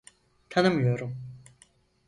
Tanımıyorum.